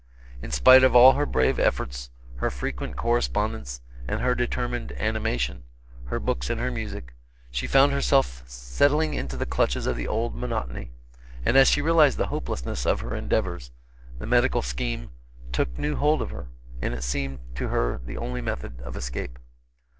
In spite of all her brave efforts, her frequent correspondence, and her determined animation, her books and her music, she found herself settling into the clutches of the old monotony, and as she realized the hopelessness of her endeavors, the medical scheme took new hold of her, and seemed to her the only method of escape.